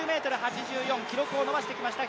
１９ｍ８４、記録を伸ばしてきました